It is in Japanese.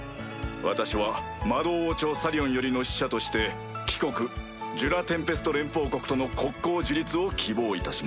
私は魔導王朝サリオンよりの使者として貴国ジュラ・テンペスト連邦国との国交樹立を希望いたします。